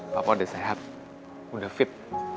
papa udah sehat udah fit